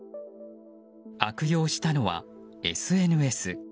悪用したのは、ＳＮＳ。